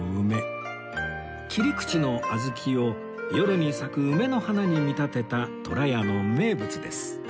切り口の小豆を夜に咲く梅の花に見立てたとらやの名物です